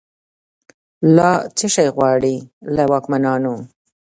لا« څشي غواړی» له واکمنانو